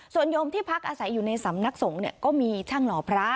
ส่วนโยมที่พักอาศัยอยู่ในสำนักสงฆ์ก็มีช่างหล่อพระ